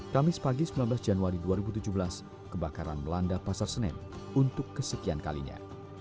kamis pagi sembilan belas januari dua ribu tujuh belas kebakaran melanda pasar senen untuk kesekian kalinya